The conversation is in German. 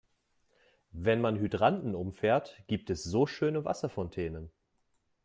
Wenn man Hydranten umfährt, gibt es so schöne Wasserfontänen.